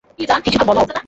কিছু তো বলো!